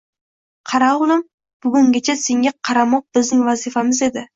— Qara o'g'lim, bugungacha senga qaramoq bizning vazifamiz edi.